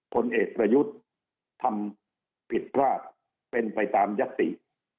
ผลเอกประยุทธ์ทำผิดพลาดเป็นไปตามยติ